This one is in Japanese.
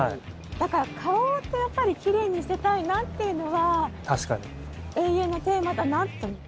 だから、顔って奇麗にしていたいなっていうのは永遠のテーマだなって。